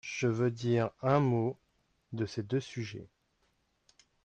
Je veux dire un mot de ces deux sujets.